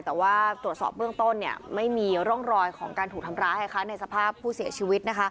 แต่ว่าตรวจสอบเบื้องต้นไม่มีร่องรอยของการถูกทำร้ายในสภาพผู้เสียชีวิต